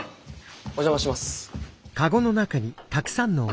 お邪魔します。